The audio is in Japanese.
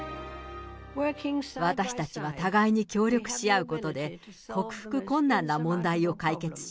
私たちは互いに協力し合うことで、克服困難な問題を解決し、